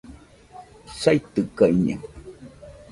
saitɨkaɨñaɨ